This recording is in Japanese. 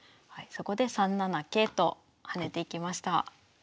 そこで３七桂と跳ねていきました。